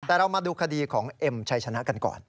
แต่เรามาดูคดีของเอ็มชัยชนะกันก่อน